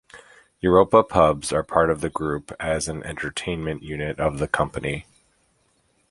Europa Pubs are part of the group as an entertainment unit of the company.